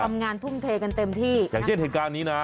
ทำงานทุ่มเทกันเต็มที่อย่างเช่นเหตุการณ์นี้นะ